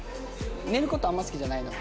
寝る事あんまり好きじゃないの？